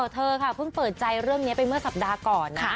เธอค่ะเพิ่งเปิดใจเรื่องนี้ไปเมื่อสัปดาห์ก่อนนะ